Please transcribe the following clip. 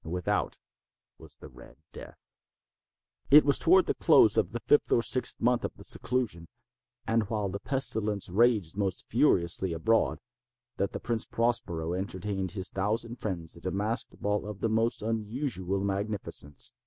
Without was the "Red Death." It was toward the close of the fifth or sixth month of his seclusion, and while the pestilence raged most furiously abroad, that the Prince Prospero entertained his thousand friends at a masked ball of the most unusual magnificence.